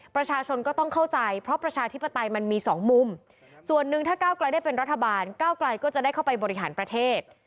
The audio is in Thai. ประชาชนก็ต้องเข้าใจเพราะประชาธิปไตยมันมีสองมุมส่วนหนึ่งถ้าก้าวไกลได้เป็นรัฐบาลก้าวไกลก็จะได้เข้าไปบริหารประเทศ